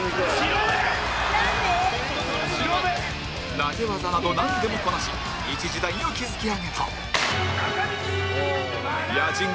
投げ技などなんでもこなし一時代を築き上げた